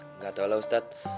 enggak tahu lah ustaz